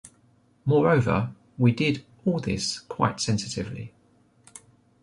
Moreover we did all this quite sensitively.